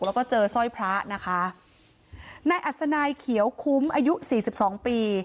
แล้วก็เจอศร้อยพระนะคะแน่อัศนายเขียวคุ้มอายุ๔๒ปี